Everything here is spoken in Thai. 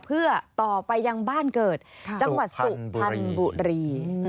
เพื่อต่อไปยังบ้านเกิดจังหวัดสุพรรณบุรี